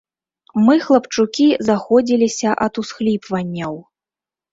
Мы, хлапчукі, заходзіліся ад усхліпванняў.